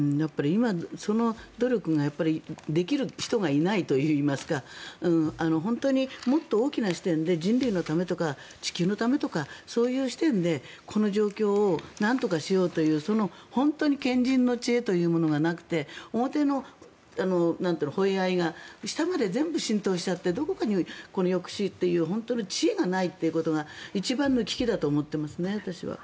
今、その努力ができる人がいないというか本当にもっと大きな視点で人類のためとか地球のためとかそういう視点でこの状況をなんとかしようという本当に賢人の知恵というものがなくて表のほえ合いが下まで全部浸透しちゃってどこかに抑止という本当に知恵がないことが私は一番の危機だと思ってますね。